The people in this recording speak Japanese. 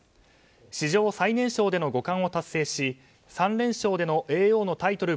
史上最年少での五冠を達成し３連勝での叡王のタイトル